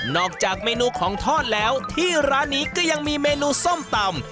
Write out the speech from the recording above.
จากเมนูของทอดแล้วที่ร้านนี้ก็ยังมีเมนูส้มตำ